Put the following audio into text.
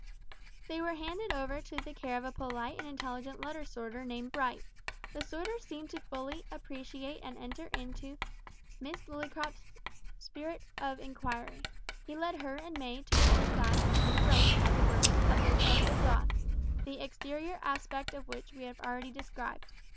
They were handed over to the care of a polite and intelligent letter sorter named Bright. The sorter seemed fully to appreciate and enter into Miss Lillycrop's spirit of inquiry. He led her and May to the inside the throat, as it were of those postal jaws, the exterior aspect of which we have already described.